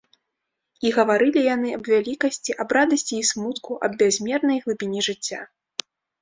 І гаварылі яны аб вялікасці, аб радасці і смутку, аб бязмернай глыбіні жыцця.